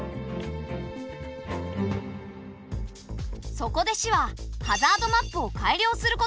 そこで市はハザードマップを改良することにした。